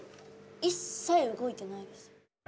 一切動いてないです。